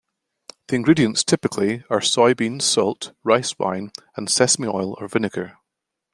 The ingredients typically are soybeans, salt, rice wine and sesame oil or vinegar.